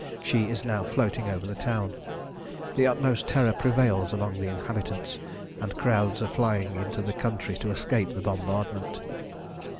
She is now floating over the town. The utmost terror prevails among the inhabitants, and crowds are flying into the country to escape the bombardment.